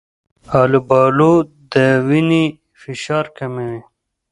آلوبالو د وینې فشار کموي.